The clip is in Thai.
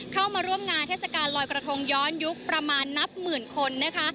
เข้ามาร่วมงานเทศกาลลอยกระทงย้อนยุคประมาณนับหมื่นคนนะคะ